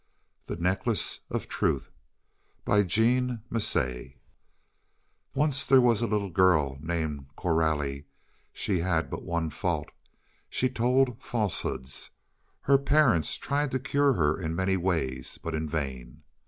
The Necklace of Truth JEAN MACÉ Once there was a little girl named Coralie. She had but one fault. She told falsehoods. Her parents tried to cure her in many ways, but in vain.